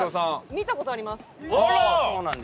見た事あります。